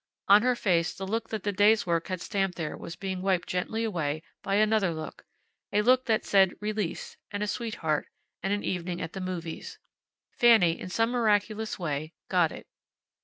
On her face the look that the day's work had stamped there was being wiped gently away by another look; a look that said release, and a sweetheart, and an evening at the movies. Fanny, in some miraculous way, got it.